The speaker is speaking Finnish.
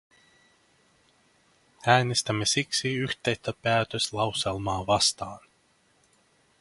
Äänestämme siksi yhteistä päätöslauselmaa vastaan.